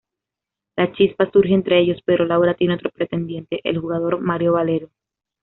La chispa surge entre ellos pero Laura tiene otro pretendiente, el jugador Mario Valero.